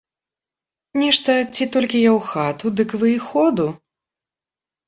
Нешта, ці толькі я ў хату, дык вы і ходу.